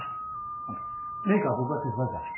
あっメークは僕が手伝うから。